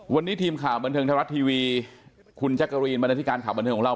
วันนี้ทีมข่าวบันเทิงไทยรัฐทีวีคุณแจ๊กกะรีนมาในที่การข่าวบันเทิงของเรา